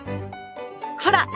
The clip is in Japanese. ほら！